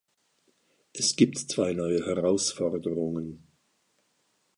Es gibt zwei neue Herausforderungen.